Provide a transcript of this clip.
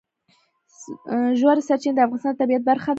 ژورې سرچینې د افغانستان د طبیعت برخه ده.